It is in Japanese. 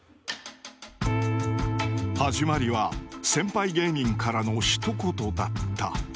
始まりは先輩芸人からのひと言だった。